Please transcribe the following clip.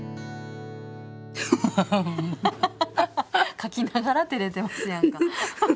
書きながらてれてますやんか。